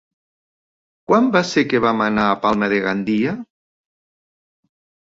Quan va ser que vam anar a Palma de Gandia?